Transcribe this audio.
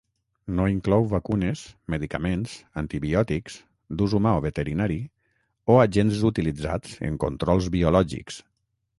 No inclou vacunes, medicaments, antibiòtics, d'ús humà o veterinari, o agents utilitzats en controls biològics.